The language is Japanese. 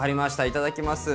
いただきます。